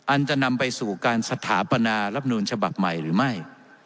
อันจะนำไปสู่การสถาปนารับนูลฉบับใหม่หรือไม่